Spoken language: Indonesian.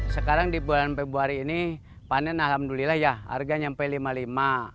sekarang di bulan februari ini panen alhamdulillah ya harganya sampai rp lima puluh lima